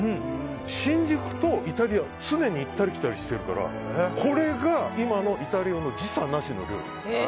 新宿とイタリア、常に行ったり来たりしているからこれが今のイタリアの時差なしの料理。